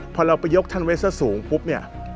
พอเราไปยกท่านไว้ซะสูงปุ๊บเนี่ย